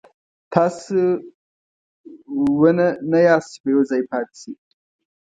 تاسو ونه نه یاست چې په یو ځای پاتې شئ.